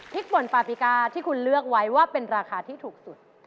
ป่นปาปิกาที่คุณเลือกไว้ว่าเป็นราคาที่ถูกสุด